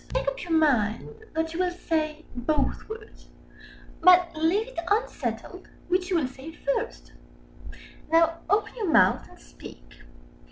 Make up your mind that you will say both words, but leave it unsettled which you will first. Now open your mouth and speak.